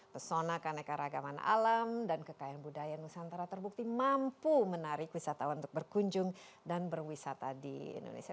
pesona kanekaragaman alam dan kekayaan budaya nusantara terbukti mampu menarik wisatawan untuk berkunjung dan berwisata di indonesia